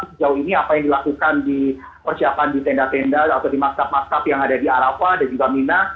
sejauh ini apa yang dilakukan di persiapan di tenda tenda atau di maktab maskap yang ada di arafah dan juga mina